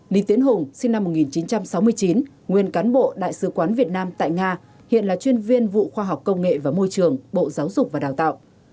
lý tiến hùng sinh năm một nghìn chín trăm sáu mươi chín nguyên cán bộ đại sứ quán việt nam tại nga hiện là chuyên viên vụ khoa học công nghệ và môi trường bộ giáo dục và đào tạo